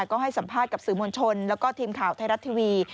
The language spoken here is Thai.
ก็ให้สัมภาษณ์กับสื่อมวลชนแล้วก็ทีมข่าวไทยรัฐทีวี